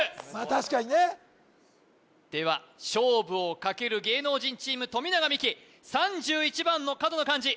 確かにねでは勝負をかける芸能人チーム富永美樹３１番の角の漢字